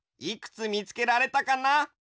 いくつみつけられたかな？